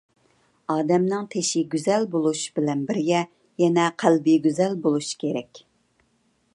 ئادەمنىڭ تېشى گۈزەل بولۇش بىلەن بىرگە يەنە قەلبى گۈزەل بولۇشى كېرەك!